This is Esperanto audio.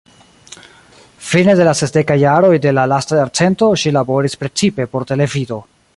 Fine de la sesdekaj jaroj de la lasta jarcento ŝi laboris precipe por televido.